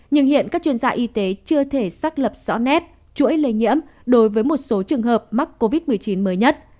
nhưng hiện các chuyên gia y tế chưa thể xác lập rõ nét chuỗi lây nhiễm đối với một số trường hợp mắc covid một mươi chín mới nhất